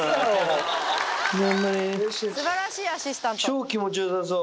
超気持ちよさそう。